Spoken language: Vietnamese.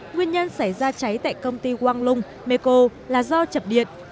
nguyên nhân xảy ra cháy tại công ty quang lung meko là do chập điện